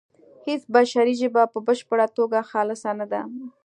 هیڅ بشري ژبه په بشپړه توګه خالصه نه ده